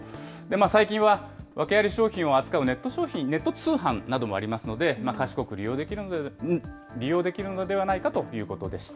最近は、訳あり商品を扱うネット商品、ネット通販などもありますので、賢く利用できるのではないかということでした。